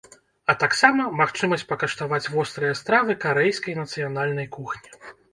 А таксама магчымасць пакаштаваць вострыя стравы карэйскай нацыянальнай кухні.